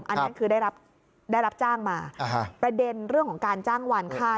อันนั้นคือได้รับจ้างมาประเด็นเรื่องของการจ้างวานค่า